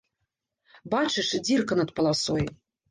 Бачыш, дзірка над паласой?